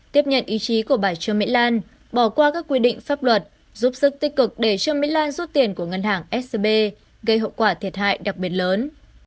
tiếp nhận ý chí của bà trương mỹ lan bỏ qua các quy định pháp luật giúp sức tích cực để trương mỹ lan rút tiền của ngân hàng scb gây hậu quả thiệt hại đặc biệt lớn